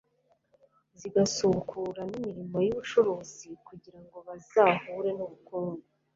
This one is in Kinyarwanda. zigasubukura n'imirimo y'ubucuruzi kugira ngo bazahure ubukungu